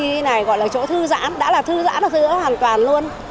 đi này gọi là chỗ thư giãn đã là thư giãn thư giãn hoàn toàn luôn